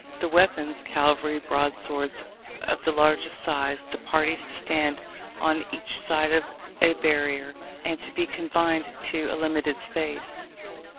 The weapons, cavalry broadswords of the largest size; the parties to stand on each side of a barrier, and to be confined to a limited space.